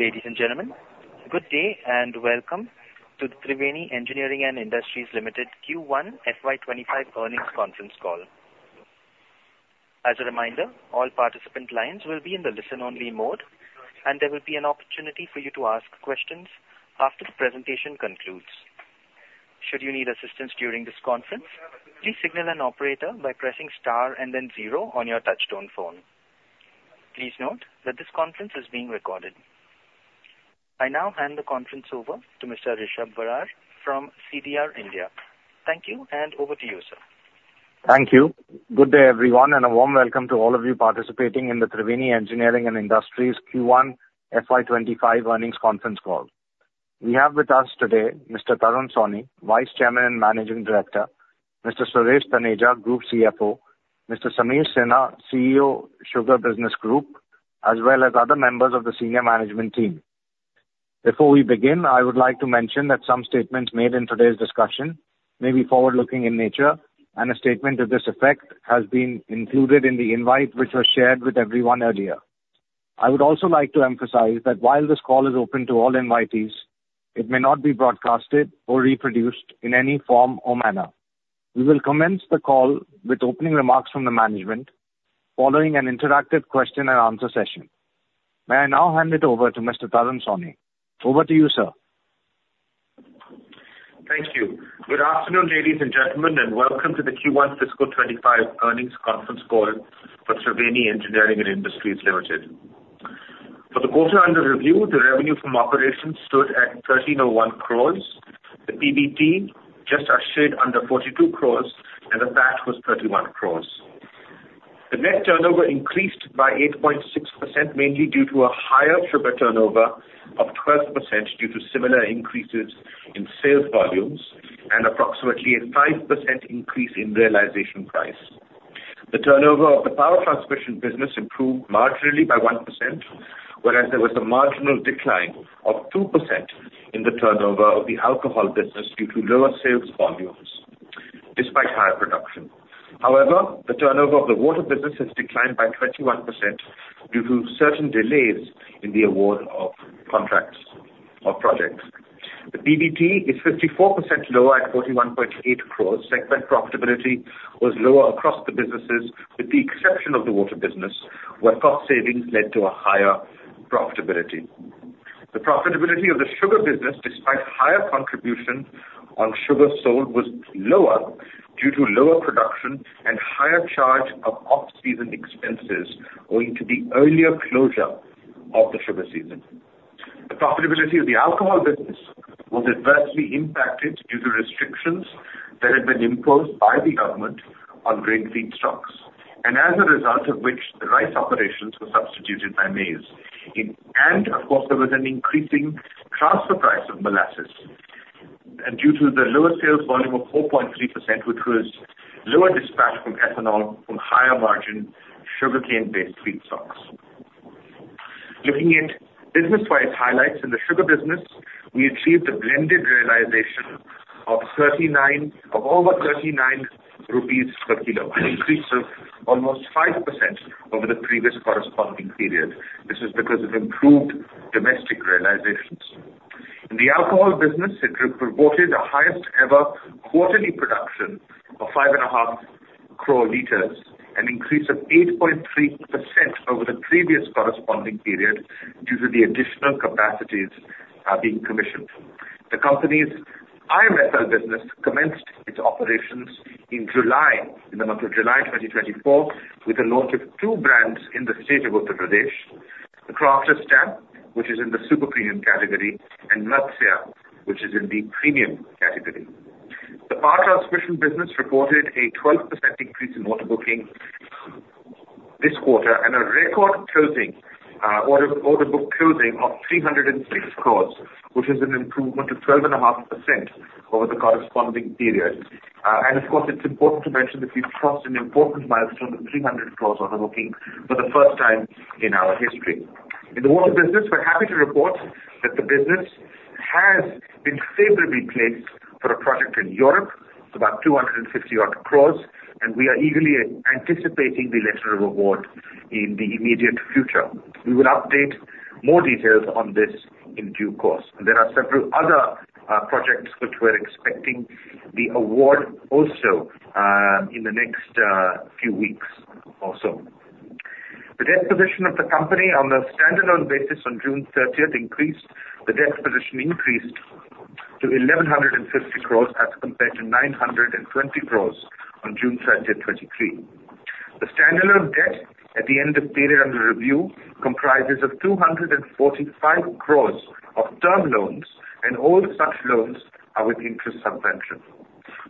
Ladies and gentlemen, good day and welcome to the Triveni Engineering & Industries Limited Q1 FY25 Earnings Conference Call. As a reminder, all participant lines will be in the listen-only mode, and there will be an opportunity for you to ask questions after the presentation concludes. Should you need assistance during this conference, please signal an operator by pressing star and then zero on your touch-tone phone. Please note that this conference is being recorded. I now hand the conference over to Mr. Rishab Barar from CDR India. Thank you, and over to you, sir. Thank you. Good day, everyone, and a warm welcome to all of you participating in the Triveni Engineering & Industries Q1 FY25 Earnings Conference Call. We have with us today Mr. Tarun Sawhney, Vice Chairman and Managing Director; Mr. Suresh Taneja, Group CFO; Mr. Sameer Sinha, CEO, Sugar Business Group, as well as other members of the senior management team. Before we begin, I would like to mention that some statements made in today's discussion may be forward-looking in nature, and a statement to this effect has been included in the invite which was shared with everyone earlier. I would also like to emphasize that while this call is open to all invitees, it may not be broadcasted or reproduced in any form or manner. We will commence the call with opening remarks from the management, following an interactive question-and-answer session. May I now hand it over to Mr. Tarun Sawhney. Over to you, sir. Thank you. Good afternoon, ladies and gentlemen, and welcome to the Q1 FY25 Earnings Conference Call for Triveni Engineering & Industries Limited. For the quarter under review, the revenue from operations stood at 1,301 crores, the PBT just under 42 crore, and the PAT was 31 crore. The net turnover increased by 8.6%, mainly due to a higher sugar turnover of 12% due to similar increases in sales volumes and approximately a 5% increase in realization price. The turnover of the power transmission business improved marginally by 1%, whereas there was a marginal decline of 2% in the turnover of the alcohol business due to lower sales volumes despite higher production. However, the turnover of the water business has declined by 21% due to certain delays in the award of contracts or projects. The PBT is 54% lower at 41.8 crore. Segment profitability was lower across the businesses, with the exception of the water business, where cost savings led to a higher profitability. The profitability of the sugar business, despite higher contribution on sugar sold, was lower due to lower production and higher charge of off-season expenses owing to the earlier closure of the sugar season. The profitability of the alcohol business was adversely impacted due to restrictions that had been imposed by the government on grain feedstocks, and as a result of which, the rice operations were substituted by maize. And, of course, there was an increasing transfer price of molasses, due to the lower sales volume of 4.3%, which was lower dispatch from ethanol from higher margin sugarcane-based feedstocks. Looking at business-wise highlights in the sugar business, we achieved a blended realization of over 39 rupees per kilo, an increase of almost 5% over the previous corresponding period. This was because of improved domestic realizations. In the alcohol business, it reported a highest-ever quarterly production of 5.5 crore liters, an increase of 8.3% over the previous corresponding period due to the additional capacities being commissioned. The company's IMFL business commenced its operations in the month of July 2024, with launch of two brands in the state of Uttar Pradesh, The Crafter's Stamp, which is in the super premium category, and Matsya, which is in the premium category. The power transmission business reported a 12% increase in order booking this quarter and a record closing order book of 306 crore, which is an improvement of 12.5% over the corresponding period. And, of course, it's important to mention that we've crossed an important milestone of 300 crore order booking for the first time in our history. In the water business, we're happy to report that the business has been favorably placed for a project in Europe, about 250 crore, and we are eagerly anticipating the letter of award in the immediate future. We will update more details on this in due course. There are several other projects which we're expecting the award also in the next few weeks or so. The debt position of the company on the standalone basis on June 30th increased. The debt position increased to 1,150 crore as compared to 920 crore on June 30th, 2023. The standalone debt at the end of period under review comprises 245 crore of term loans, and all such loans are with interest subvention.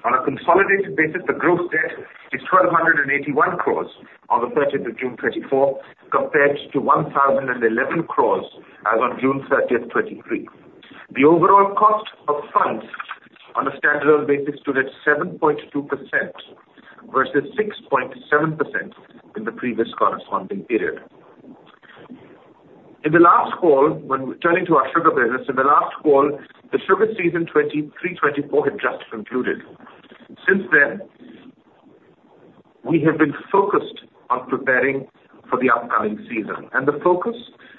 On a consolidated basis, the gross debt is 1,281 crore rupees on the 30th of June 2024, compared to 1,011 crore as on June 30th, 2023. The overall cost of funds on a standalone basis stood at 7.2% versus 6.7% in the previous corresponding period. In the last call, when turning to our sugar business, in the last call, the sugar season 23/24 had just concluded. Since then, we have been focused on preparing for the upcoming season, and the focus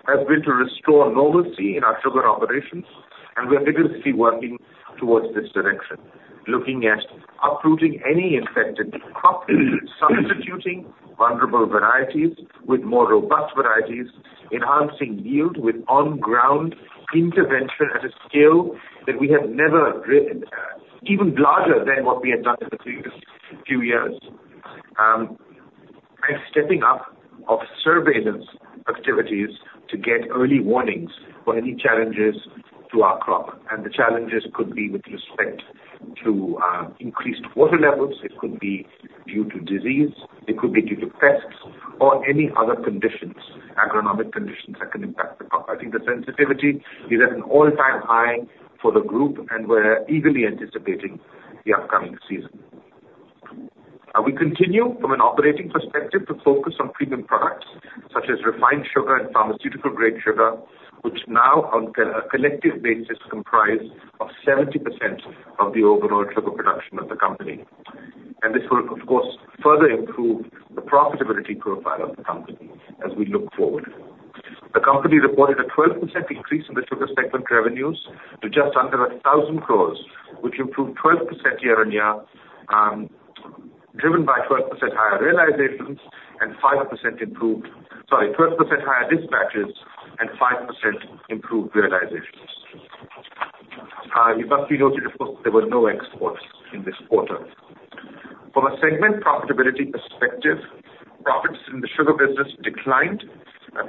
has been to restore normalcy in our sugar operations, and we are vigorously working towards this direction, looking at uprooting any infected crops, substituting vulnerable varieties with more robust varieties, enhancing yield with on-ground intervention at a scale that we have never even larger than what we had done in the previous few years, and stepping up our surveillance activities to get early warnings for any challenges to our crop. The challenges could be with respect to increased water levels. It could be due to disease. It could be due to pests or any other conditions, agronomic conditions that can impact the crop. I think the sensitivity is at an all-time high for the group, and we're eagerly anticipating the upcoming season. We continue, from an operating perspective, to focus on premium products such as refined sugar and pharmaceutical-grade sugar, which now, on a collective basis, comprise 70% of the overall sugar production of the company. This will, of course, further improve the profitability profile of the company as we look forward. The company reported a 12% increase in the sugar segment revenues to just under 1,000 crore, which improved 12% year-on-year, driven by 12% higher dispatches and 5% improved realizations. It must be noted, of course, that there were no exports in this quarter. From a segment profitability perspective, profits in the sugar business declined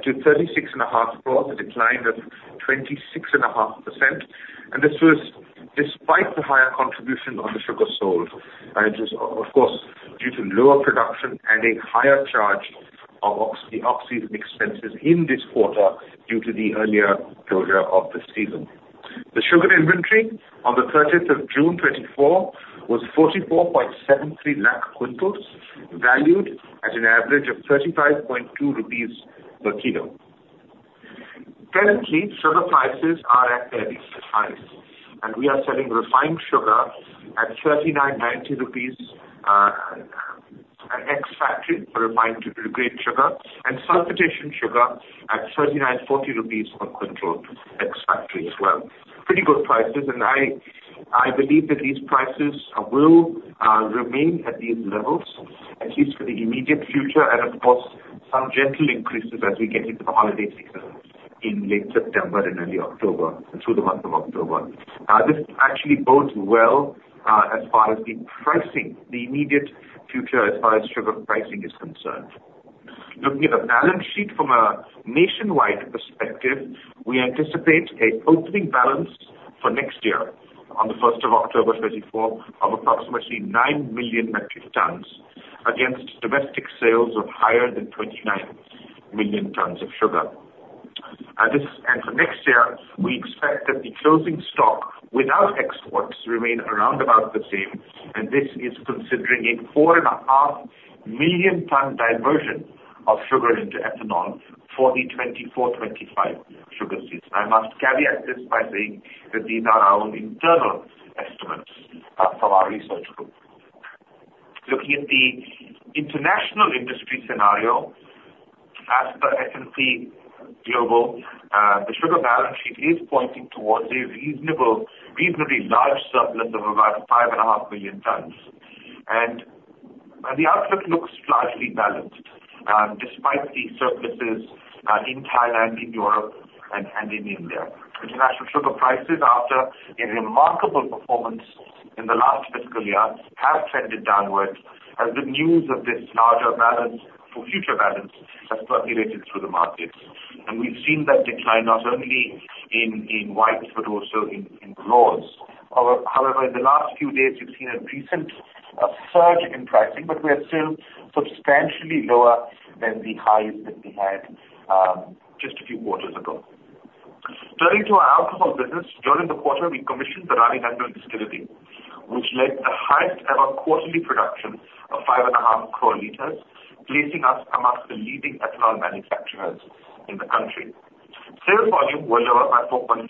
to 36.5 crore, a decline of 26.5%. This was despite the higher contribution on the sugar sold, which was, of course, due to lower production and a higher charge of the off-season expenses in this quarter due to the earlier closure of the season. The sugar inventory on the 30th of June 2024 was 44.73 lakh quintals, valued at an average of 35.2 rupees per kg. Presently, sugar prices are at their lowest, and we are selling refined sugar at 39.90 rupees ex-factory for refined two grade sugar and sulfitation sugar at 39.40 rupees for controlled ex-factory as well. Pretty good prices, and I believe that these prices will remain at these levels, at least for the immediate future, and, of course, some gentle increases as we get into the holiday season in late September and early October and through the month of October. This actually bodes well as far as the pricing, the immediate future as far as sugar pricing is concerned. Looking at the balance sheet from a nationwide perspective, we anticipate an opening balance for next year on the 1st of October 2024 of approximately 9 million metric tons against domestic sales of higher than 29 million tons of sugar. For next year, we expect that the closing stock without exports remain around about the same, and this is considering a 4.5 million ton diversion of sugar into ethanol for the 24/25 sugar season. I must caveat this by saying that these are our own internal estimates from our research group. Looking at the international industry scenario, as per S&P Global, the sugar balance sheet is pointing towards a reasonably large surplus of about 5.5 million tons, and the outlook looks largely balanced despite the surpluses in Thailand, in Europe, and in India. International sugar prices, after a remarkable performance in the last fiscal year, have trended downward as the news of this larger balance for future balance has percolated through the markets. And we've seen that decline not only in whites but also in raws. However, in the last few days, we've seen a decent surge in pricing, but we are still substantially lower than the highs that we had just a few quarters ago. Turning to our alcohol business, during the quarter, we commissioned the Rani Nangal distillery, which led to the highest-ever quarterly production of 5.5 crore liters, placing us among the leading ethanol manufacturers in the country. Sales volume were lower by 4.3%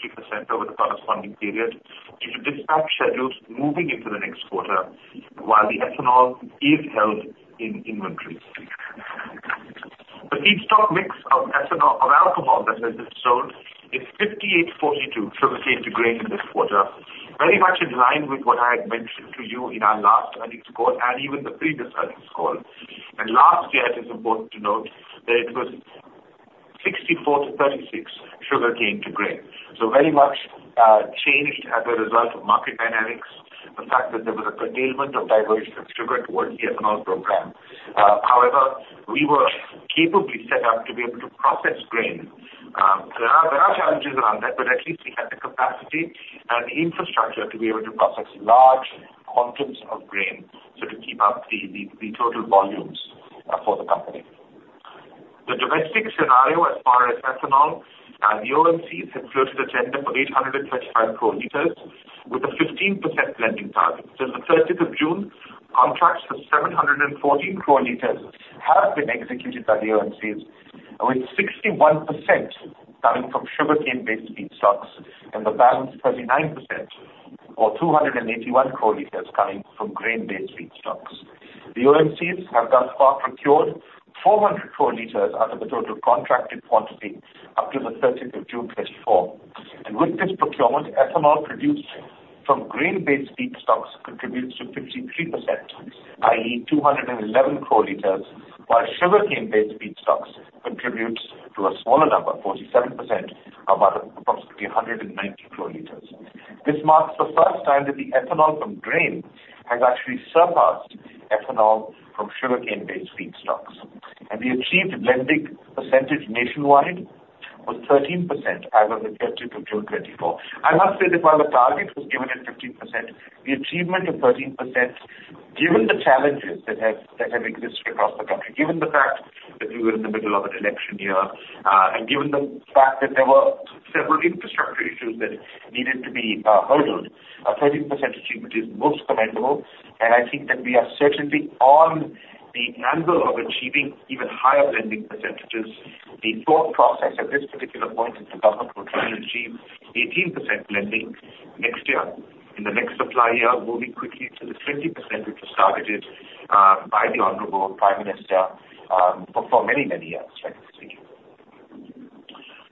over the corresponding period due to dispatch schedules moving into the next quarter, while the ethanol is held in inventory. The feedstock mix of alcohol that has been sold is 58.42 sugarcane to grain in this quarter, very much in line with what I had mentioned to you in our last earnings call and even the previous earnings call. Last year, it is important to note that it was 64 to 36 sugarcane to grain. Very much changed as a result of market dynamics, the fact that there was a curtailment of diversion of sugar towards the ethanol program. However, we were capably set up to be able to process grain. There are challenges around that, but at least we had the capacity and the infrastructure to be able to process large quantums of grain so to keep up the total volumes for the company. The domestic scenario as far as ethanol, the OMCs had floated a tender for 835 crore liters with a 15% blending target. Since the 30th of June, contracts for 714 crore liters have been executed by the OMCs, with 61% coming from sugarcane-based feedstocks and the balance 39% or 281 crore liters coming from grain-based feedstocks. The OMCs have thus far procured 400 crore liters out of the total contracted quantity up to the 30th of June 2024. With this procurement, ethanol produced from grain-based feedstocks contributes to 53%, i.e., 211 crore liters, while sugarcane-based feedstocks contribute to a smaller number, 47%, of approximately 190 crore liters. This marks the first time that the ethanol from grain has actually surpassed ethanol from sugarcane-based feedstocks. The achieved blending percentage nationwide was 13% as of the 30th of June 2024. I must say that while the target was given at 15%, the achievement of 13%, given the challenges that have existed across the country, given the fact that we were in the middle of an election year, and given the fact that there were several infrastructure issues that needed to be hurdled, a 13% achievement is most commendable. I think that we are certainly on the angle of achieving even higher blending percentages. The thought process at this particular point is the government will try and achieve 18% blending next year. In the next supply year, moving quickly to the 20%, which was targeted by the Honorable Prime Minister for many, many years. Thank you.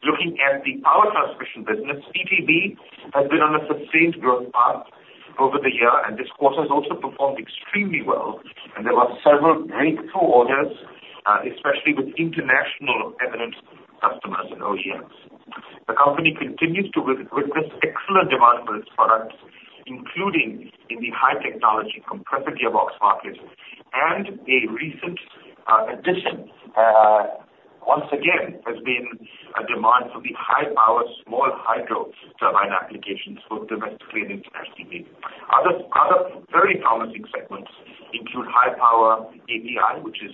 Looking at the power transmission business, PTB has been on a sustained growth path over the year, and this quarter has also performed extremely well. And there were several breakthrough orders, especially with international eminent customers and OEMs. The company continues to witness excellent demand for its products, including in the high-technology compressor gearbox market. And a recent addition, once again, has been a demand for the high-power small hydro turbine applications both domestically and internationally. Other very promising segments include high-power API, which is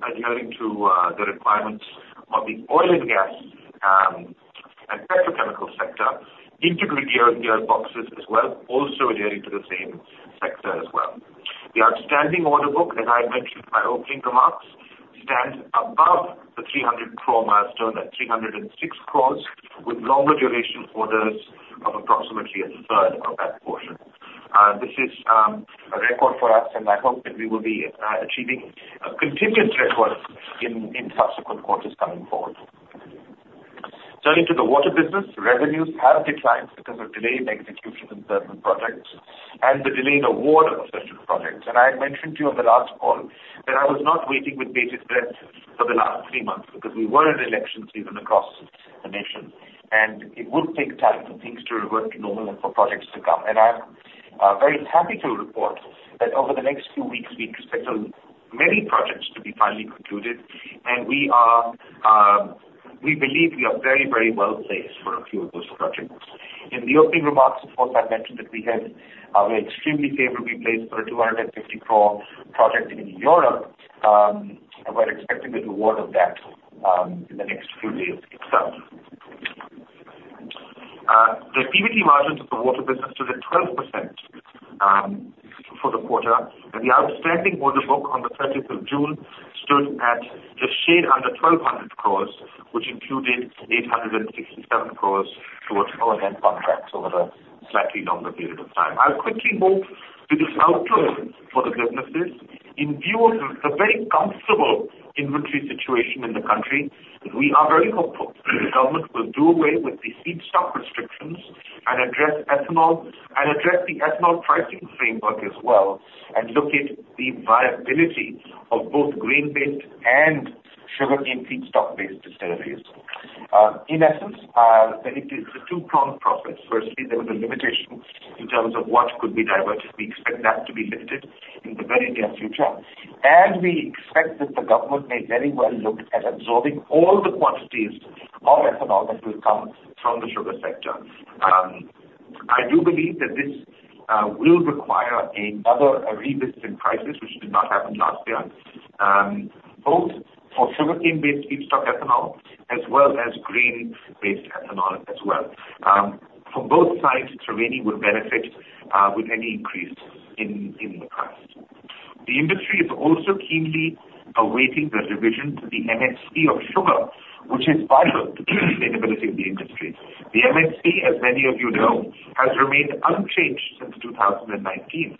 adhering to the requirements of the oil and gas and petrochemical sector, integrated gearboxes as well, also adhering to the same sector as well. The outstanding order book, as I had mentioned in my opening remarks, stands above the 300 crore milestone at 306 crores, with longer duration orders of approximately a third of that portion. This is a record for us, and I hope that we will be achieving a continued record in subsequent quarters coming forward. Turning to the water business, revenues have declined because of delayed execution in certain projects and the delayed award of certain projects. I had mentioned to you on the last call that I was not waiting with bated breath for the last three months because we were in election season across the nation, and it would take time for things to revert to normal and for projects to come. I'm very happy to report that over the next few weeks, we expect many projects to be finally concluded, and we believe we are very, very well placed for a few of those projects. In the opening remarks, of course, I mentioned that we were extremely favorably placed for an 250 crore project in Europe. We're expecting the award of that in the next few days itself. The PBT margins of the water business stood at 12% for the quarter, and the outstanding order book on the 30th of June stood at just shade under 1,200 crore, which included 867 crore towards O&M contracts over a slightly longer period of time. I'll quickly move to this outlook for the businesses. In view of the very comfortable inventory situation in the country, we are very hopeful that the government will do away with the feedstock restrictions and address ethanol and address the ethanol pricing framework as well and look at the viability of both grain-based and sugarcane feedstock-based distilleries. In essence, it is a two-pronged process. Firstly, there was a limitation in terms of what could be diverted. We expect that to be lifted in the very near future, and we expect that the government may very well look at absorbing all the quantities of ethanol that will come from the sugar sector. I do believe that this will require another revisit in prices, which did not happen last year, both for sugarcane-based feedstock ethanol as well as grain-based ethanol as well. From both sides, Triveni would benefit with any increase in the price. The industry is also keenly awaiting the revision to the MSP of sugar, which has fueled the inability of the industry. The MSP, as many of you know, has remained unchanged since 2019,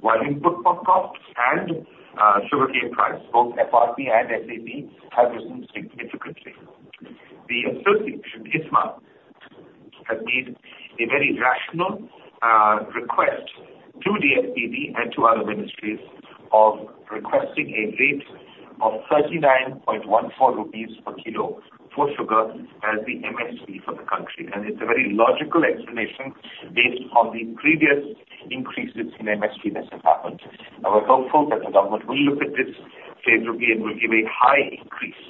while input costs and sugarcane price, both FRP and SAP, have risen significantly. The association, ISMA, has made a very rational request to th eDFPD and to other ministries of requesting a rate of 39.14 rupees per kilo for sugar as the MSP for the country. It's a very logical explanation based on the previous increases in MSP that have happened. We're hopeful that the government will look at this favorably and will give a high increase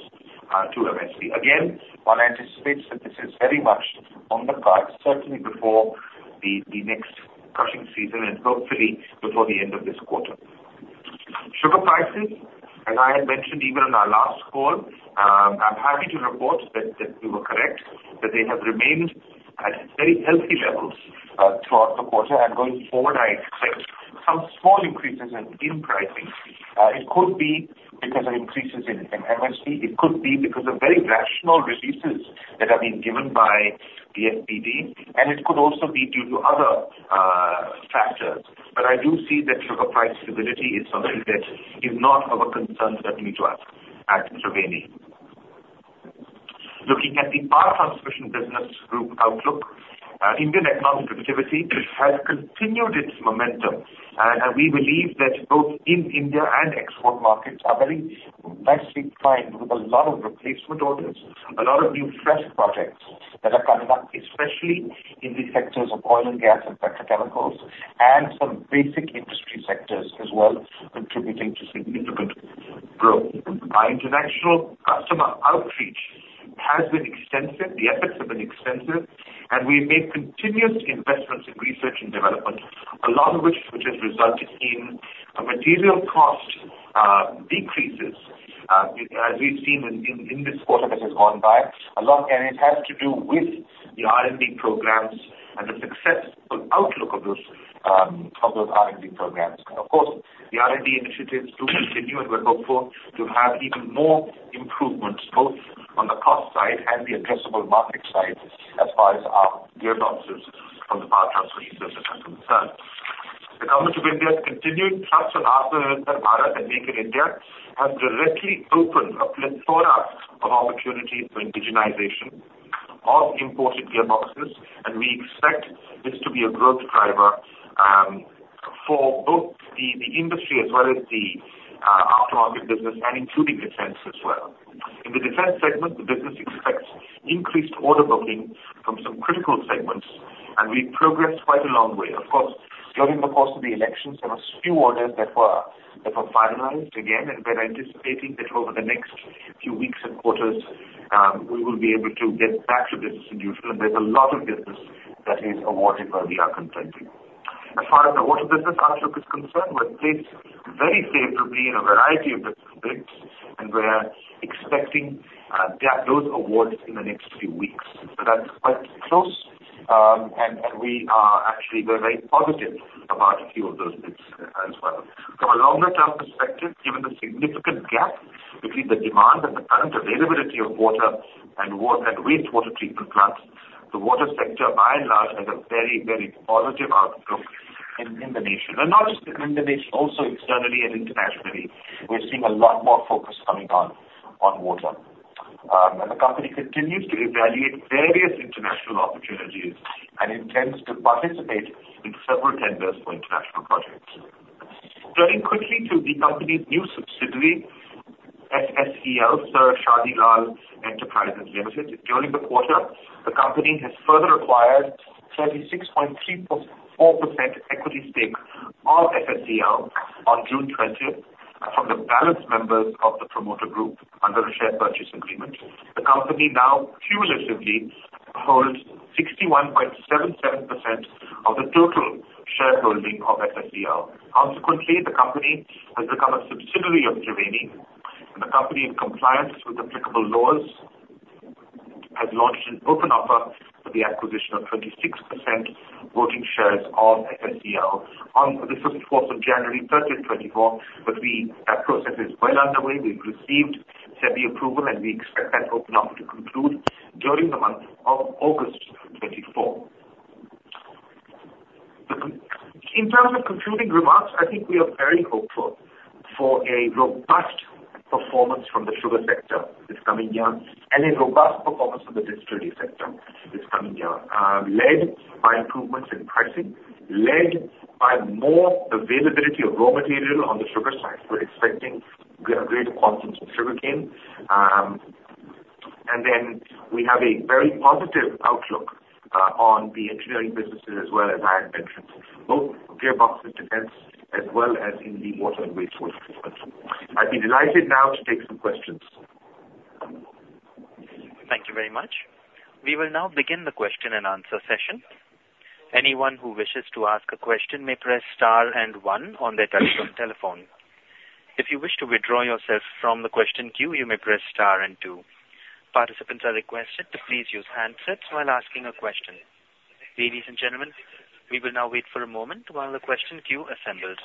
to MSP. Again, one anticipates that this is very much on the cards, certainly before the next crushing season and hopefully before the end of this quarter. Sugar prices, as I had mentioned even on our last call, I'm happy to report that we were correct, that they have remained at very healthy levels throughout the quarter. Going forward, I expect some small increases in pricing. It could be because of increases in MSP. It could be because of very rational releases that have been given by the DFPD, and it could also be due to other factors. But I do see that sugar price stability is something that is not of a concern to me to us at Triveni. Looking at the power transmission business group outlook, Indian economic activity has continued its momentum, and we believe that both in India and export markets are very nicely primed with a lot of replacement orders, a lot of new fresh projects that are coming up, especially in the sectors of oil and gas and petrochemicals and some basic industry sectors as well, contributing to significant growth. Our international customer outreach has been extensive. The efforts have been extensive, and we've made continuous investments in research and development, a lot of which has resulted in material cost decreases, as we've seen in this quarter that has gone by, a lot of it has to do with the R&D programs and the successful outlook of those R&D programs. Of course, the R&D initiatives do continue, and we're hopeful to have even more improvements both on the cost side and the addressable market side as far as gearboxes from the power transmission business are concerned. The government of India has continued thrust on Aatmanirbhar Bharat and Make in India has directly opened a plethora of opportunities for indigenization of imported gearboxes, and we expect this to be a growth driver for both the industry as well as the aftermarket business and including Defence as well. In the Defence segment, the business expects increased order booking from some critical segments, and we've progressed quite a long way. Of course, during the course of the elections, there were few orders that were finalized again, and we're anticipating that over the next few weeks and quarters, we will be able to get back to business as usual. There's a lot of business that is awarded where we are contending. As far as the water business outlook is concerned, we're placed very favorably in a variety of different bids, and we're expecting those awards in the next few weeks. That's quite close, and we are actually very, very positive about a few of those bids as well. From a longer-term perspective, given the significant gap between the demand and the current availability of water and wastewater treatment plants, the water sector, by and large, has a very, very positive outlook in the nation. And not just in the nation, also externally and internationally, we're seeing a lot more focus coming on water. And the company continues to evaluate various international opportunities and intends to participate in several tenders for international projects. Turning quickly to the company's new subsidiary, SSEL, Sir Shadi Lal Enterprises Limited, during the quarter, the company has further acquired 36.34% equity stake of SSEL on June 20th from the balanced members of the promoter group under a share purchase agreement. The company now cumulatively holds 61.77% of the total shareholding of SSEL. Consequently, the company has become a subsidiary of Triveni, and the company, in compliance with applicable laws, has launched an open offer for the acquisition of 26% voting shares of SSEL on the 1st of January 30th, 2024. But the process is well underway. We've received SEBI approval, and we expect that open offer to conclude during the month of August 2024. In terms of concluding remarks, I think we are very hopeful for a robust performance from the sugar sector this coming year and a robust performance from the distillery sector this coming year, led by improvements in pricing, led by more availability of raw material on the sugar side. We're expecting greater quantities of sugarcane. And then we have a very positive outlook on the engineering businesses as well, as I had mentioned, both gearboxes, Defence, as well as in the water and wastewater treatment. I'd be delighted now to take some questions. Thank you very much. We will now begin the question and answer session. Anyone who wishes to ask a question may press star and one on their telephone. If you wish to withdraw yourself from the question queue, you may press star and two. Participants are requested to please use handsets while asking a question. Ladies and gentlemen, we will now wait for a moment while the question queue assembles.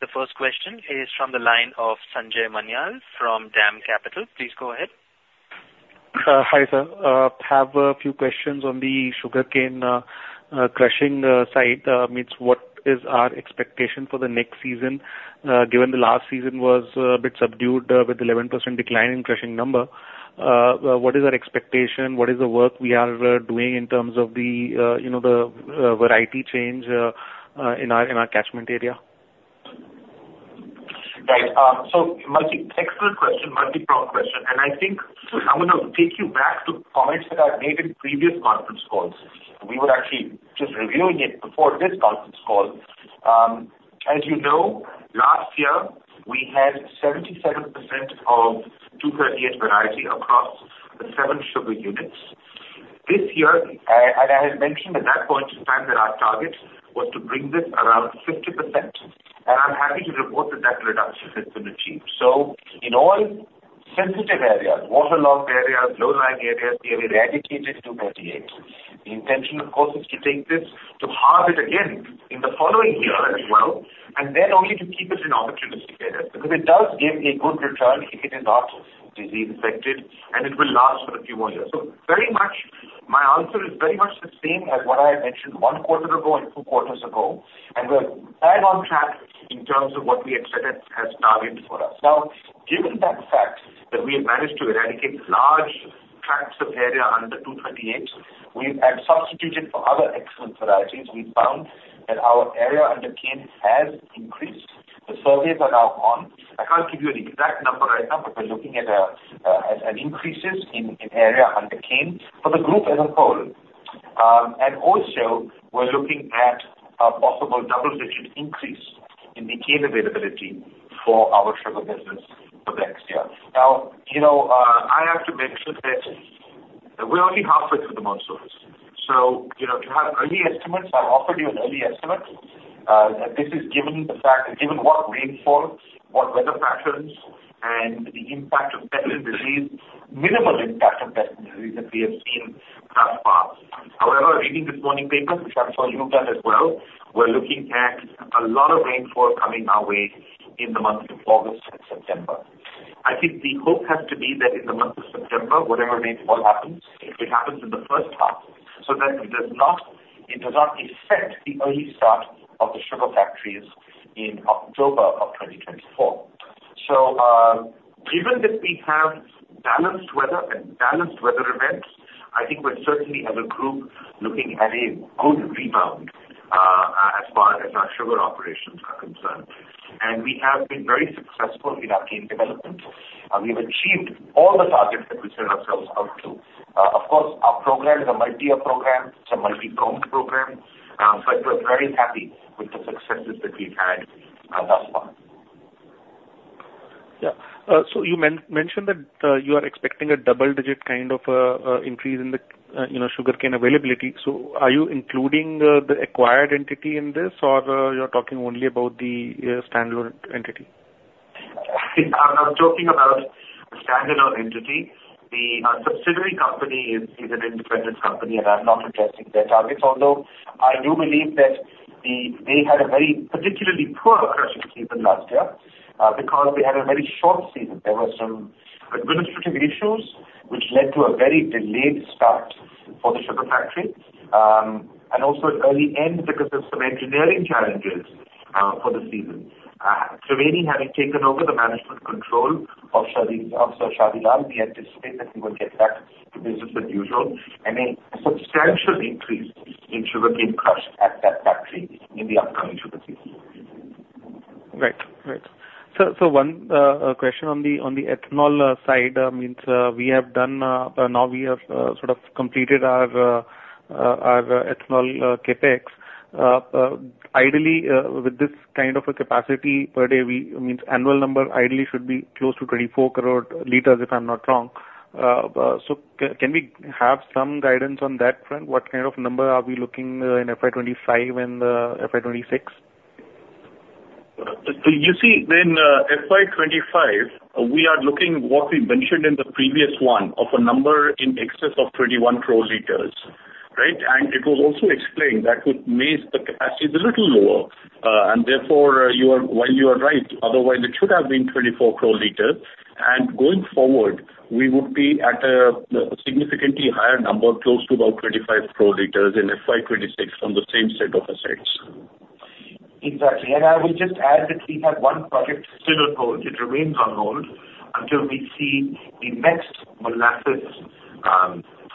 The first question is from the line of Sanjay Manyal from DAM Capital. Please go ahead. Hi, sir. I have a few questions on the sugarcane crushing side. What is our expectation for the next season given the last season was a bit subdued with 11% decline in crushing number? What is our expectation? What is the work we are doing in terms of the variety change in our catchment area? Right. So an excellent question, multi-pronged question. And I think I'm going to take you back to comments that I've made in previous conference calls. We were actually just reviewing it before this conference call. As you know, last year, we had 77% of 238 variety across the seven sugar units. This year, and I had mentioned at that point in time that our target was to bring this around 50%, and I'm happy to report that that reduction has been achieved. So in all sensitive areas, waterlogged areas, low-lying areas, we have eradicated 238. The intention, of course, is to take this to harvest again in the following year as well, and then only to keep it in opportunistic areas because it does give a good return if it is not disease-affected, and it will last for a few more years. So very much, my answer is very much the same as what I had mentioned one quarter ago and two quarters ago, and we're right on track in terms of what we had set as target for us. Now, given the fact that we have managed to eradicate large tracts of area under 238, we have substituted for other excellent varieties, we found that our area under cane has increased. The surveys are now on. I can't give you an exact number right now, but we're looking at increases in area under cane for the group as a whole. And also, we're looking at a possible double-digit increase in the cane availability for our sugar business for the next year. Now, I have to mention that we're only halfway through the off-season. So to have early estimates, I've offered you an early estimate. This is given the fact that, given what rainfall, what weather patterns, and the impact of pest and disease, minimal impact of pest and disease that we have seen thus far. However, reading this morning's papers, which I'm sure you've done as well, we're looking at a lot of rainfall coming our way in the months of August and September. I think the hope has to be that in the month of September, whatever rainfall happens, it happens in the first half so that it does not affect the early start of the sugar factories in October of 2024. Given that we have balanced weather and balanced weather events, I think we're certainly, as a group, looking at a good rebound as far as our sugar operations are concerned. We have been very successful in our cane development. We have achieved all the targets that we set ourselves out to. Of course, our program is a multi-year program. It's a multi-pronged program, but we're very happy with the successes that we've had thus far. Yeah. So you mentioned that you are expecting a double-digit kind of increase in the sugarcane availability. So are you including the acquired entity in this, or you're talking only about the standalone entity? I'm talking about the standalone entity. The subsidiary company is an independent company, and I'm not addressing their targets, although I do believe that they had a very particularly poor crushing season last year because they had a very short season. There were some administrative issues which led to a very delayed start for the sugar factory and also an early end because of some engineering challenges for the season. Triveni having taken over the management control of Sir Shadi Lal, we anticipate that we will get back to business as usual and a substantial increase in sugarcane crush at that factory in the upcoming sugar season. Right. Right. So one question on the ethanol side, means we have done now we have sort of completed our ethanol CapEx. Ideally, with this kind of a capacity per day, means annual number ideally should be close to 24 crore liters, if I'm not wrong. So can we have some guidance on that front? What kind of number are we looking in FY25 and FY26? You see, in FY25, we are looking what we mentioned in the previous one of a number in excess of 21 crore liters, right? And it was also explained that would make the capacity a little lower. Therefore, while you are right, otherwise, it should have been 24 crore liters. Going forward, we would be at a significantly higher number, close to about 25 crore liters in FY26 from the same set of assets. Exactly. I will just add that we have one project still on hold. It remains on hold until we see the next massive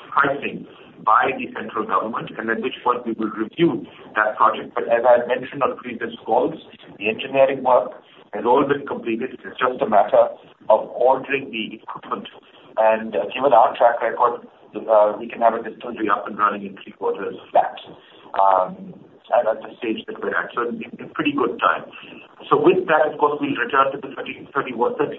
pricing by the central government, and at which point we will review that project. But as I had mentioned on previous calls, the engineering work has all been completed. It's just a matter of ordering the equipment. Given our track record, we can have a distillery up and running in three quarters flat at the stage that we're at. It's a pretty good time. With that, of course, we'll return to the 30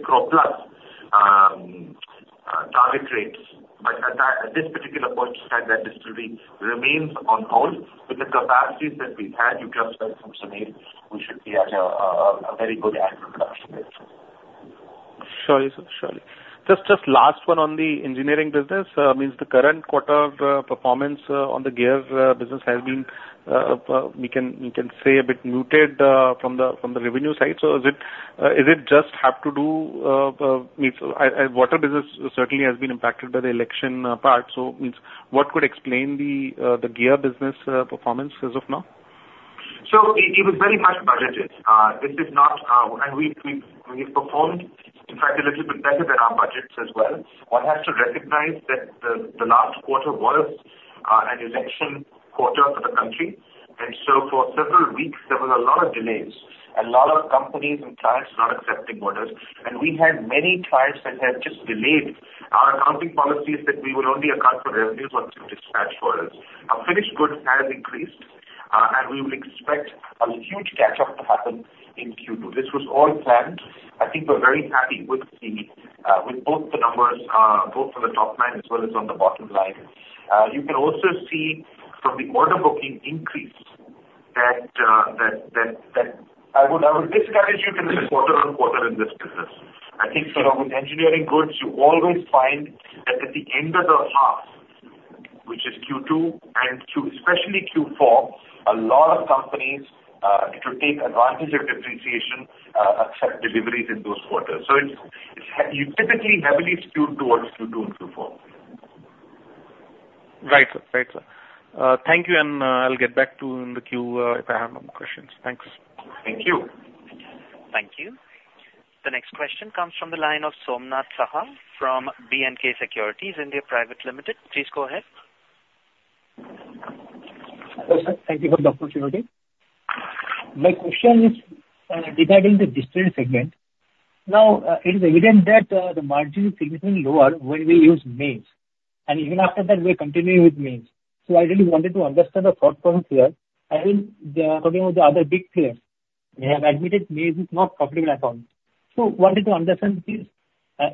crore plus target rates. But at this particular point in time, that distillery remains on hold. With the capacities that we've had, you just heard from Sameer, we should be at a very good annual production rate. Surely, surely. Just last one on the engineering business, the current quarter performance on the gear business has been, we can say, a bit muted from the revenue side. So is it just to do with the water business certainly has been impacted by the election part. So what could explain the gear business performance as of now? So it was very much budgeted. This is not and we've performed, in fact, a little bit better than our budgets as well. One has to recognize that the last quarter was an election quarter for the country. For several weeks, there were a lot of delays, a lot of companies and clients not accepting orders. We had many clients that have just delayed our accounting policies that we will only account for revenues once we've dispatched orders. Our finished goods have increased, and we would expect a huge catch-up to happen in Q2. This was all planned. I think we're very happy with both the numbers, both on the top line as well as on the bottom line. You can also see from the order booking increase that I would discourage you to look quarter-on-quarter in this business. I think with engineering goods, you always find that at the end of the half, which is Q2 and especially Q4, a lot of companies take advantage of depreciation, accept deliveries in those quarters. You typically heavily skew towards Q2 and Q4. Right. Right. Thank you. I'll get back to you in the queue if I have more questions. Thanks. Thank you. Thank you. The next question comes from the line of Somnath Saha from B&K Securities India Private Limited. Please go ahead. Hello, sir. Thank you for the opportunity. My question is regarding the distillery segment. Now, it is evident that the margin is significantly lower when we use maize. And even after that, we're continuing with maize. So I really wanted to understand the thought process here. I think talking about the other big players, they have admitted maize is not profitable at all. So I wanted to understand this.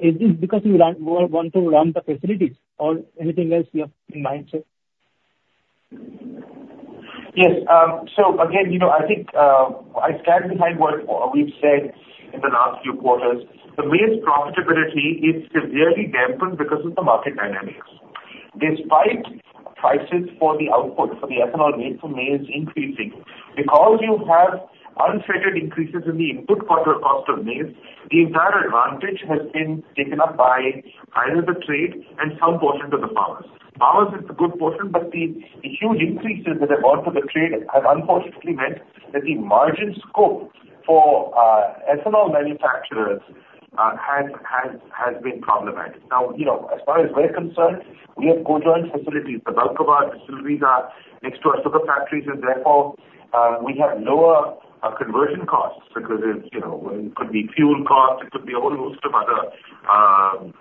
Is this because you want to run the facilities or anything else you have in mind, sir? Yes. So again, I think I clarify what we've said in the last few quarters. The maize profitability is severely dampened because of the market dynamics. Despite prices for the output, for the ethanol rate for maize increasing, because you have unfettered increases in the input quarter cost of maize, the entire advantage has been taken up by either the trade and some portion to the farmers. Farmers is the good portion, but the huge increases that have gone to the trade have unfortunately meant that the margin scope for ethanol manufacturers has been problematic. Now, as far as we're concerned, we have conjoined facilities, the Baklava Distillery next to our sugar factories, and therefore, we have lower conversion costs because it could be fuel costs. It could be a whole host of other input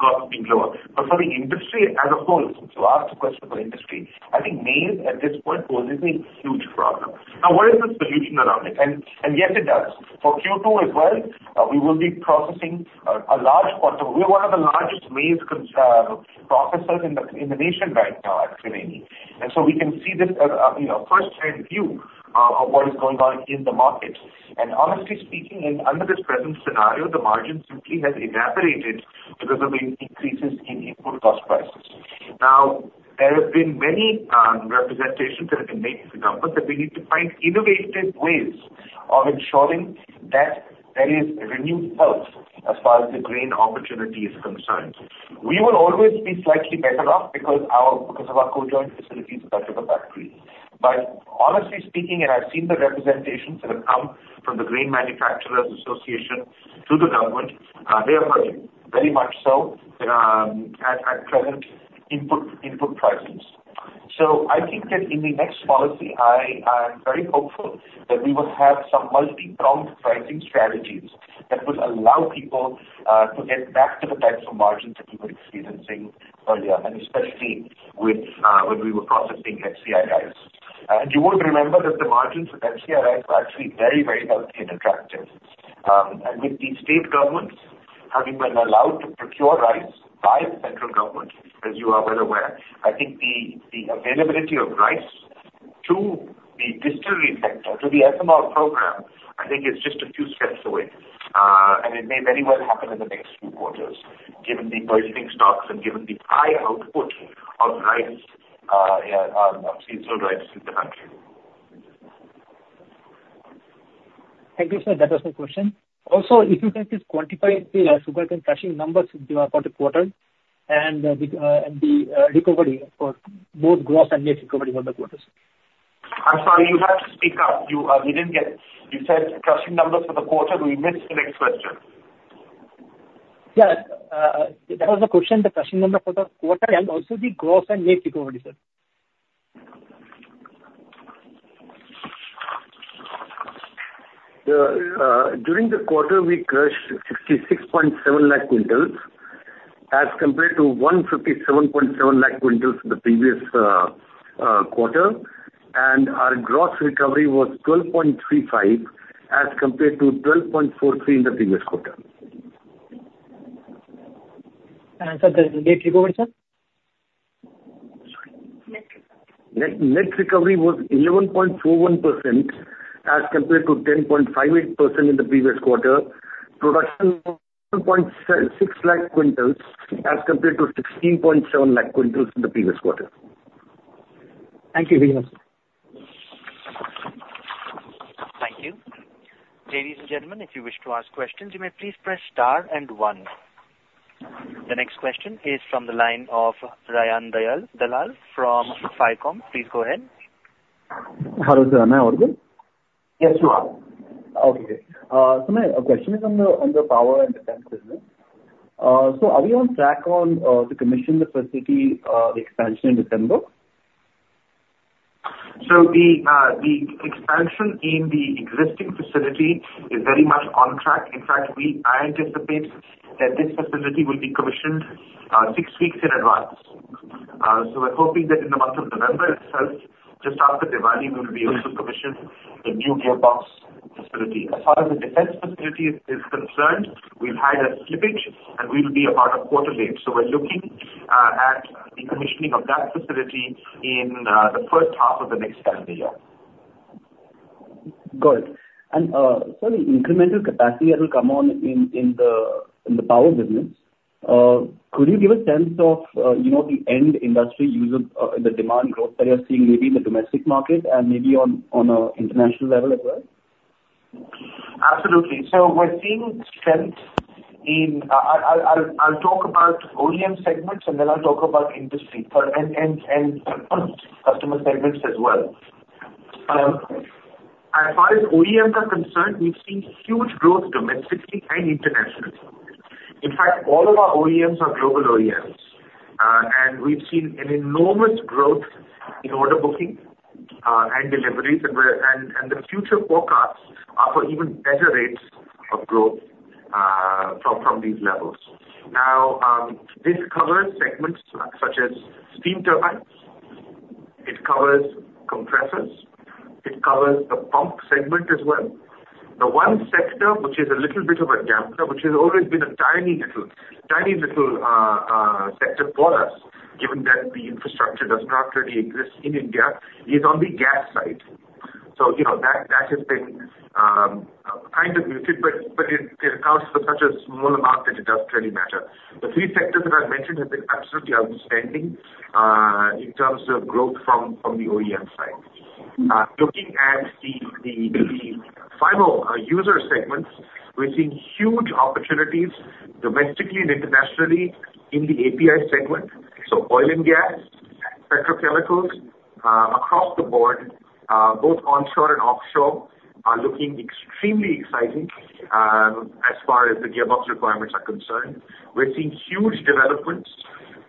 costs being lower. But for the industry as a whole, to ask a question for industry, I think maize at this point poses a huge problem. Now, what is the solution around it? And yes, it does. For Q2 as well, we will be processing a large quantity. We're one of the largest maize processors in the nation right now at Triveni. And so we can see this as a first-hand view of what is going on in the market. And honestly speaking, under this present scenario, the margin simply has evaporated because of the increases in input cost prices. Now, there have been many representations that have been made to the government that we need to find innovative ways of ensuring that there is renewed health as far as the grain opportunity is concerned. We will always be slightly better off because of our conjoined facilities and our sugar factories. But honestly speaking, and I've seen the representations that have come from the Grain Manufacturers Association to the government, they are very much so at present input prices. So I think that in the next policy, I am very hopeful that we will have some multi-pronged pricing strategies that will allow people to get back to the types of margins that we were experiencing earlier, and especially when we were processing FCI rice. And you won't remember that the margins with FCI rice were actually very, very healthy and attractive. And with the state governments having been allowed to procure rice by the central government, as you are well aware, I think the availability of rice to the distillery sector, to the ethanol program, I think is just a few steps away. It may very well happen in the next few quarters, given the bursting stocks and given the high output of rice, seed-sowed rice in the country. Thank you, sir. That was my question. Also, if you can just quantify the sugarcane crushing numbers for the quarter and the recovery for both gross and net recovery for the quarters. I'm sorry, you had to speak up. You didn't get it. You said crushing numbers for the quarter. We missed the next question. Yeah. That was the question, the crushing number for the quarter and also the gross and net recovery, sir. During the quarter, we crushed 66.7 lakh quintals as compared to 157.7 lakh quintals in the previous quarter. And our gross recovery was 12.35 as compared to 12.43 in the previous quarter. And for the net recovery, sir? Sorry. Net recovery was 11.41% as compared to 10.58% in the previous quarter. Production was 160,000 quintals as compared to 1,670,000 quintals in the previous quarter. Thank you very much, sir. Thank you. Ladies and gentlemen, if you wish to ask questions, you may please press star and one. The next question is from the line of Rayan Dellal from FICOM. Please go ahead. Hello, sir. Am I audible? Yes, you are. Okay. So my question is on the power and the water business. So are we on track to commission the facility, the expansion in December? So the expansion in the existing facility is very much on track. In fact, I anticipate that this facility will be commissioned 6 weeks in advance. So we're hoping that in the month of November itself, just after Diwali, we will be able to commission the new gearbox facility. As far as the Defence facility is concerned, we've had a slippage, and we will be about a quarter late. So we're looking at the commissioning of that facility in the first half of the next calendar year. Got it. And for the incremental capacity that will come on in the power business, could you give a sense of the end industry user, the demand growth that you're seeing, maybe in the domestic market and maybe on an international level as well? Absolutely. So we're seeing strength in. I'll talk about OEM segments, and then I'll talk about industry and customer segments as well. As far as OEMs are concerned, we've seen huge growth domestically and internationally. In fact, all of our OEMs are global OEMs. And we've seen an enormous growth in order booking and deliveries. And the future forecasts are for even better rates of growth from these levels. Now, this covers segments such as steam turbines. It covers compressors. It covers the pump segment as well. The one sector, which is a little bit of a gambler, which has always been a tiny little sector for us, given that the infrastructure does not really exist in India, is on the gas side. So that has been kind of muted, but it accounts for such a small amount that it does really matter. The three sectors that I've mentioned have been absolutely outstanding in terms of growth from the OEM side. Looking at the final user segments, we're seeing huge opportunities domestically and internationally in the API segment. So oil and gas, petrochemicals across the board, both onshore and offshore, are looking extremely exciting as far as the gearbox requirements are concerned. We're seeing huge developments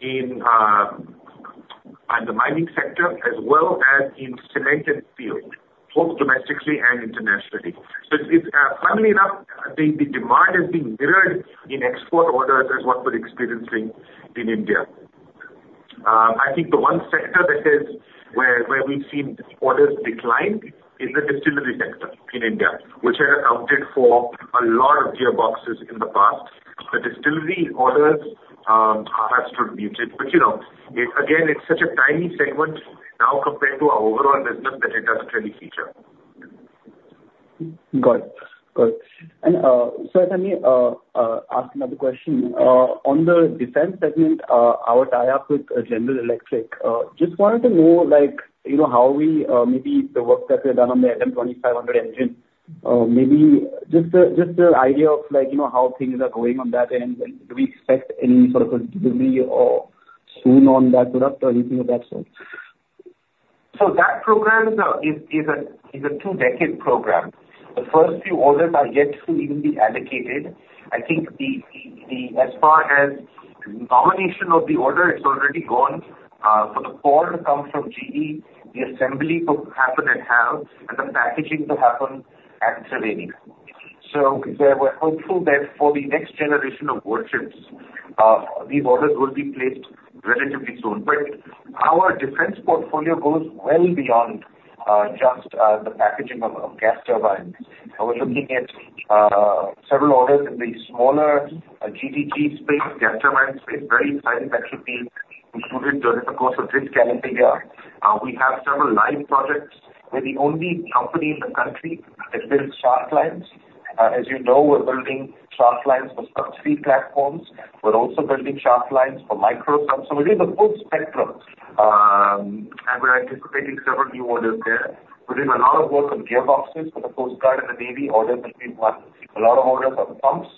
in the mining sector as well as in cement and steel, both domestically and internationally. So funnily enough, I think the demand has been mirrored in export orders as one was experiencing in India. I think the one sector that has where we've seen orders decline is the distillery sector in India, which has accounted for a lot of gearboxes in the past. The distillery orders have stood muted. But again, it's such a tiny segment now compared to our overall business that it doesn't really feature. Got it. Got it. And sir, can I ask another question? On the Defence segment, our tie-up with General Electric, just wanted to know how we maybe the work that we've done on the LM2500 engine, maybe just an idea of how things are going on that end. Do we expect any sort of delivery soon on that product or anything of that sort? So that program is a two-decade program. The first few orders are yet to even be allocated. I think as far as nomination of the order, it's already gone. For the core to come from GE, the assembly to happen at HAL, and the packaging to happen at Triveni. So we're hopeful that for the next generation of warships, these orders will be placed relatively soon. But our Defence portfolio goes well beyond just the packaging of gas turbines. We're looking at several orders in the smaller GTG space, gas turbine space. Very exciting that should be included during the course of this calendar year. We have several live projects. We're the only company in the country that builds shaft lines. As you know, we're building shaft lines for subsea platforms. We're also building shaft lines for micro subs. So we're doing the full spectrum. And we're anticipating several new orders there. We're doing a lot of work on gearboxes for the Coast Guard and the Navy. Orders that we've won. A lot of orders on pumps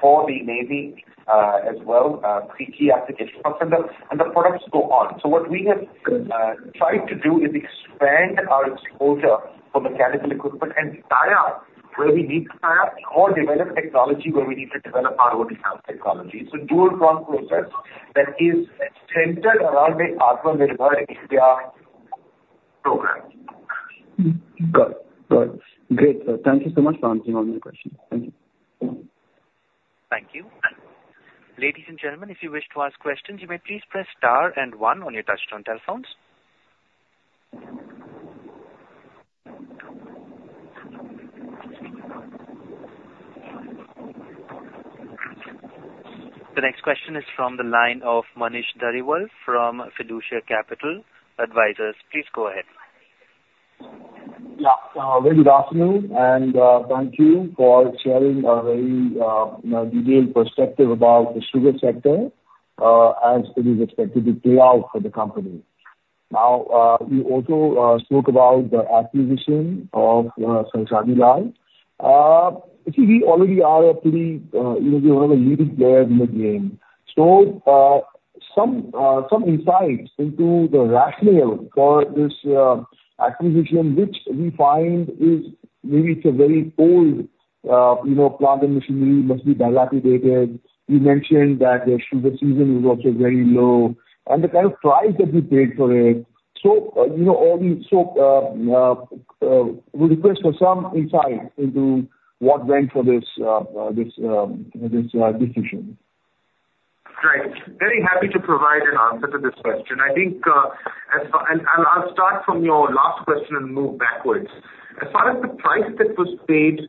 for the Navy as well. Pretty key applications. And the products go on. So what we have tried to do is expand our exposure for mechanical equipment and tie up where we need to tie up or develop technology where we need to develop our own in-house technology. It's a dual-prong process that is centered around the Aatmanirbhar Bharat program. Got it. Got it. Great. Thank you so much for answering all my questions. Thank you. Thank you. Ladies and gentlemen, if you wish to ask questions, you may please press star and one on your touchtone telephones. The next question is from the line of Manish Dhariwal from Fiducia Capital Advisors. Please go ahead. Yeah. Very good afternoon. And thank you for sharing a very detailed perspective about the sugar sector as it is expected to play out for the company. Now, you also spoke about the acquisition of Sir Shadi Lal. See, we already are a pretty leading player in the game. So some insights into the rationale for this acquisition, which we find is maybe it's a very old plant and machinery, must be dilapidated. You mentioned that the sugar season is also very low. And the kind of price that you paid for it. So we request for some insight into what went for this decision. Great. Very happy to provide an answer to this question. I think I'll start from your last question and move backwards. As far as the price that was paid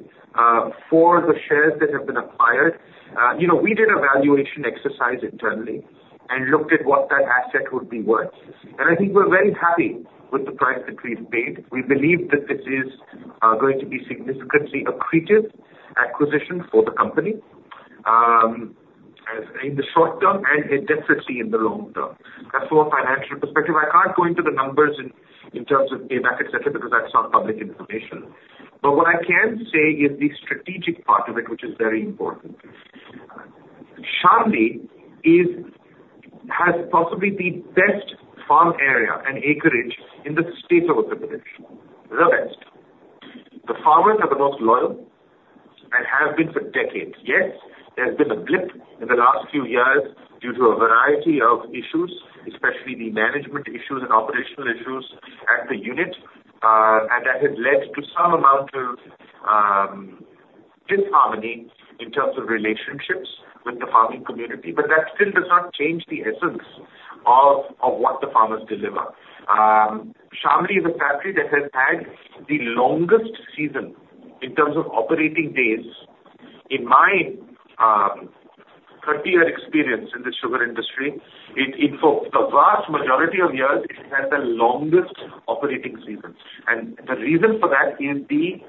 for the shares that have been acquired, we did a valuation exercise internally and looked at what that asset would be worth. I think we're very happy with the price that we've paid. We believe that this is going to be significantly accretive acquisition for the company in the short term and definitely in the long term. That's from a financial perspective. I can't go into the numbers in terms of payback, etc., because that's not public information. But what I can say is the strategic part of it, which is very important. Shamli has possibly the best farm area and acreage in the state of the country. The best. The farmers are the most loyal and have been for decades. Yes, there's been a blip in the last few years due to a variety of issues, especially the management issues and operational issues at the unit. That has led to some amount of disharmony in terms of relationships with the farming community. But that still does not change the essence of what the farmers deliver. Shamli is a factory that has had the longest season in terms of operating days. In my 30-year experience in the sugar industry, for the vast majority of years, it has had the longest operating season. And the reason for that is the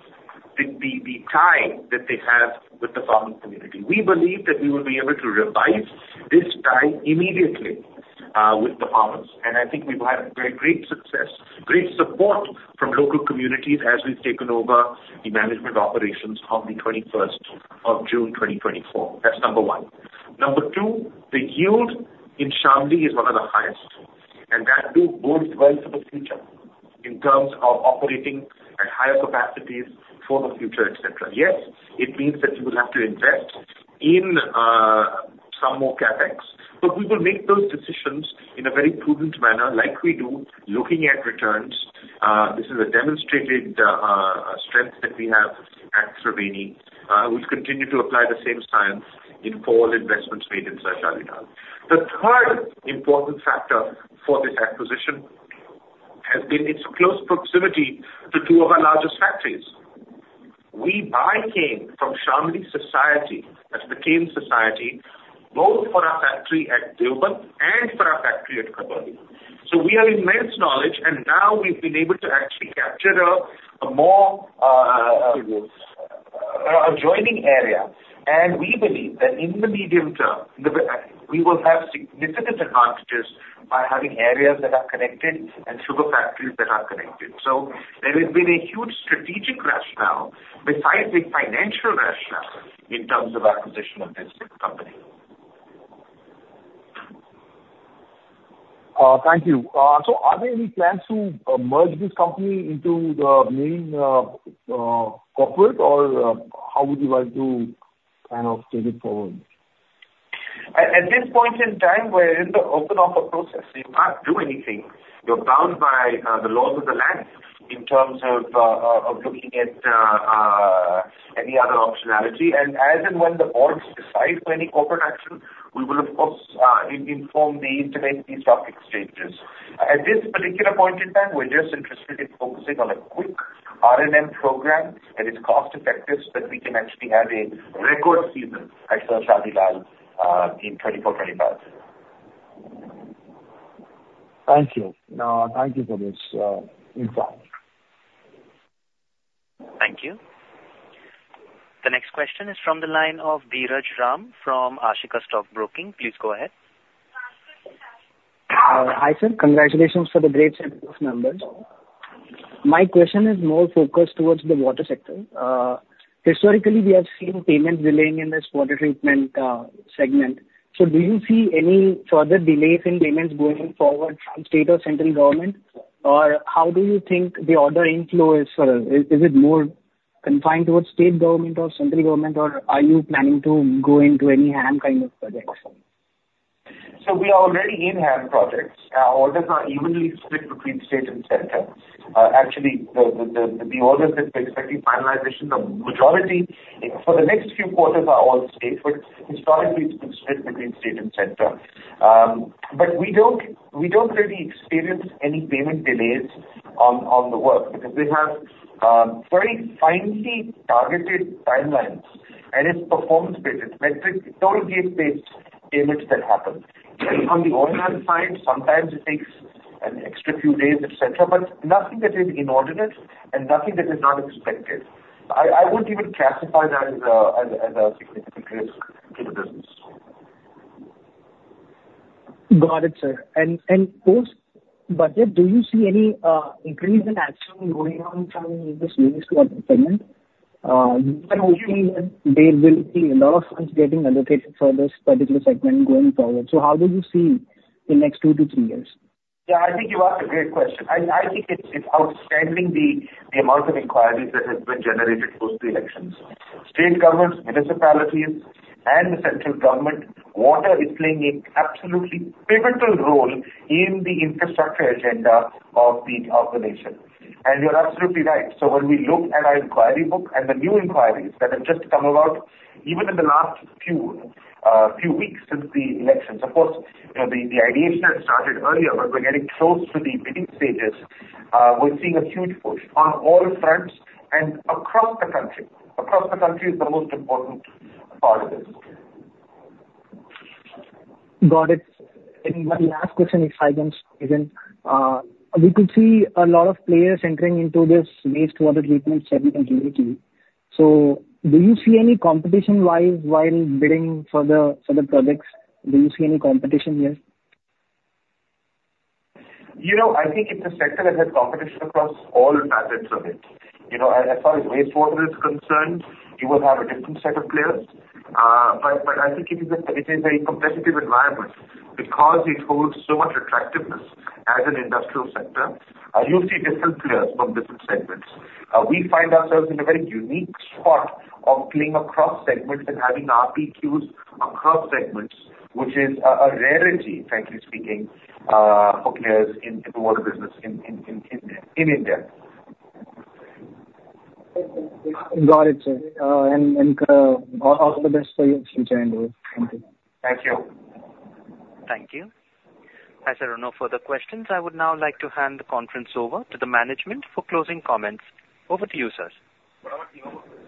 tie that they have with the farming community. We believe that we will be able to revive this tie immediately with the farmers. And I think we've had great success, great support from local communities as we've taken over the management operations on the 21st of June, 2024. That's number one. Number 2, the yield in Shamli is one of the highest. And that will bode well for the future in terms of operating at higher capacities for the future, etc. Yes, it means that you will have to invest in some more CapEx. But we will make those decisions in a very prudent manner like we do, looking at returns. This is a demonstrated strength that we have at Triveni. We'll continue to apply the same science in all investments made in Shadi Lal. The third important factor for this acquisition has been its close proximity to two of our largest factories. We buy cane from Shamli Society, that's the cane society, both for our factory at Deoband and for our factory at Khatauli. So we have immense knowledge. And now we've been able to actually capture a more adjoining area. We believe that in the medium term, we will have significant advantages by having areas that are connected and sugar factories that are connected. There has been a huge strategic rationale besides a financial rationale in terms of acquisition of this company. Thank you. Are there any plans to merge this company into the main corporate, or how would you like to kind of take it forward? At this point in time, we're in the open offer process. You can't do anything. You're bound by the laws of the land in terms of looking at any other optionality. As and when the boards decide for any corporate action, we will, of course, inform the intermediary stock exchanges. At this particular point in time, we're just interested in focusing on a quick R&M program that is cost-effective, so that we can actually have a record season at Sir Shadi Lal in 2024-2025. Thank you. Thank you for this insight. Thank you. The next question is from the line of Dheeraj R from Ashika Stock Broking. Please go ahead. Hi sir. Congratulations for the great set of numbers. My question is more focused towards the water sector. Historically, we have seen payments delaying in this water treatment segment. So do you see any further delays in payments going forward from state or central government? Or how do you think the order inflow is for us? Is it more confined towards state government or central government, or are you planning to go into any HAM kind of projects? So we are already in HAM projects. Our orders are evenly split between state and center. Actually, the orders that we're expecting finalization, the majority for the next few quarters are all state. But historically, it's been split between state and center. But we don't really experience any payment delays on the work because we have very finely targeted timelines. And it's performance-based. It's milestone, toll-gate-based payments that happen. On the oil and gas side, sometimes it takes an extra few days, etc. But nothing that is inordinate and nothing that is not expected. I wouldn't even classify that as a significant risk to the business. Got it, sir. And post-budget, do you see any increase in action going on from this news to payment? We're hoping that there will be a lot of funds getting allocated for this particular segment going forward. So how do you see the next two to three years? Yeah, I think you've asked a great question. I think it's outstanding, the amount of inquiries that have been generated post-elections. State governments, municipalities, and the central government. Water is playing an absolutely pivotal role in the infrastructure agenda of the nation. And you're absolutely right. So when we look at our inquiry book and the new inquiries that have just come about, even in the last few weeks since the elections, of course, the ideation had started earlier, but we're getting close to the bidding stages. We're seeing a huge push on all fronts and across the country. Across the country is the most important part of this. Got it. And my last question, if I can squeeze in, we could see a lot of players entering into this wastewater treatment segment, community. So do you see any competition while bidding for the projects? Do you see any competition here? I think it's a sector that has competition across all facets of it. As far as wastewater is concerned, you will have a different set of players. But I think it is a competitive environment because it holds so much attractiveness as an industrial sector. You'll see different players from different segments. We find ourselves in a very unique spot of playing across segments and having our PQs across segments, which is a rarity, frankly speaking, for players in the water business in India. Got it, sir. And all the best for your future. Thank you. Thank you. Thank you. As there are no further questions, I would now like to hand the conference over to the management for closing comments. Over to you, sir.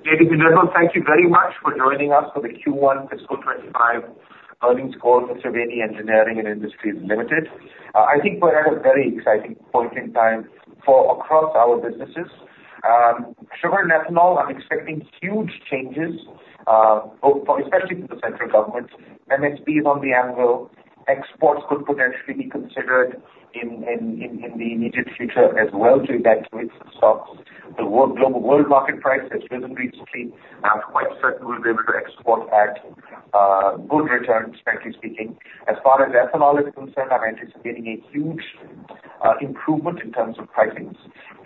Ladies and gentlemen, thank you very much for joining us for the Q1 Fiscal 2025 Earnings Call for Triveni Engineering & Industries Limited. I think we're at a very exciting point in time across our businesses. Sugar and ethanol, I'm expecting huge changes, especially for the central government. MSPs on the anvil. Exports could potentially be considered in the immediate future as well to evacuate some stocks. The global world market price has risen recently. I'm quite certain we'll be able to export at good returns, frankly speaking. As far as ethanol is concerned, I'm anticipating a huge improvement in terms of pricings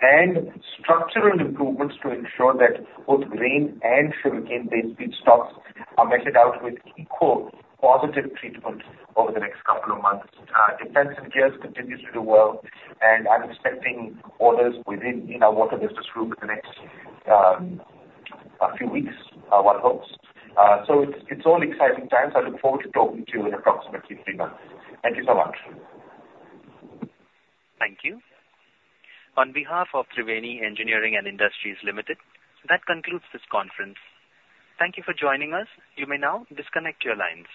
and structural improvements to ensure that both grain and sugarcane-based feedstocks are meted out with equal positive treatment over the next couple of months. Defence and gears continue to do well. And I'm expecting orders within our Water Business Group in the next few weeks, one hopes. So it's all exciting times. I look forward to talking to you in approximately three months. Thank you so much. Thank you. On behalf of Triveni Engineering & Industries Limited, that concludes this conference. Thank you for joining us. You may now disconnect your lines.